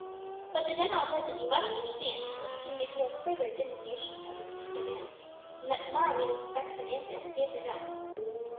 But the general said that you must understand that he can make no further diminution of his demands; and that tomorrow he expects an answer, yes or no."